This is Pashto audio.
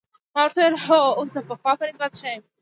ما ورته وویل: هو، اوس د پخوا په نسبت ښه یم.